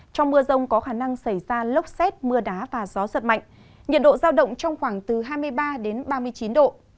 trong mưa rông có khả năng xảy ra lốc xét mưa đá và gió giật mạnh nhiệt độ giao động trong khoảng từ hai mươi ba đến ba mươi chín độ